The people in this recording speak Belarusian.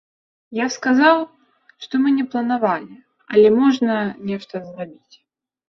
Я сказаў, што мы не планавалі, але можна нешта зрабіць.